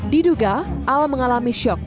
diduga al mengalami syok